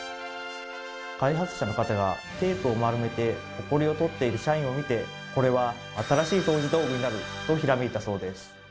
開発者の方がテープを丸めてホコリを取っている社員を見てこれは新しい掃除道具になるとひらめいたそうです。